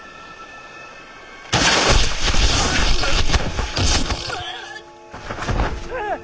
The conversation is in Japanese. うっ！